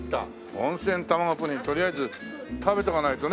とりあえず食べとかないとね。